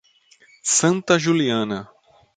Santa Juliana